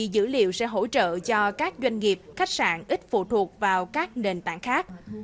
tổng thủ sẽ hỗ trợ cho các doanh nghiệp khách sạn ít phụ thuộc vào các nền tảng khác